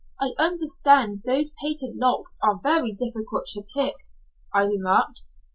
I understand those patent locks are very difficult to pick," I remarked.